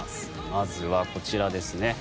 まずはこちらですね。